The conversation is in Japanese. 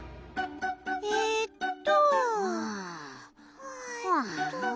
えっと。